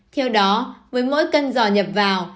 theo đó với mỗi cân giò nhập vào